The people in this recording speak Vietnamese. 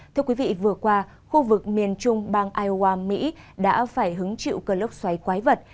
thưa quý vị vừa qua khu vực miền trung bang iowa mỹ đã phải hứng chịu cơn lốc xoáy quái vật